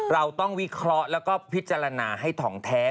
เราต้องวิเคราะห์แล้วก็พิจารณาให้ถ่องแท้